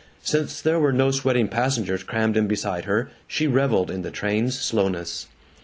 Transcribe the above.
Since there were no sweating passengers crammed in beside her, she reveled in the train's slowness.